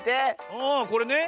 ああこれね。